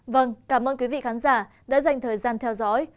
vâng cảm ơn quý vị khán giả đã dành thời gian theo dõi